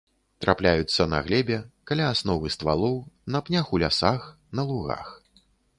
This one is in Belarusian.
Трапляюцца на глебе, каля асновы ствалоў, на пнях у лясах, на лугах.